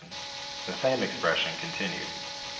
The same expression continued.